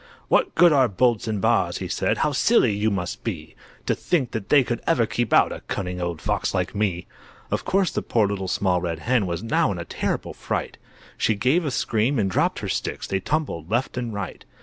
"What good are bolts and bars?" he said, "How silly you must be To think that they could ever keep out A cunning old Fox like me!" Of course the poor Little Small Red Hen Was now in a terrible fright. She gave a scream and dropped her sticks, They tumbled left and right.